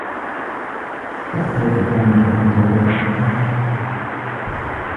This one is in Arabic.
يعرف توم ما هو المطلوب عمله.